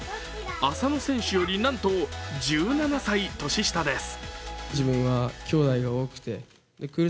浅野選手よりなんと１７歳年下です。